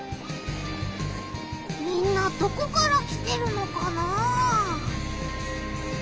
みんなどこから来てるのかな？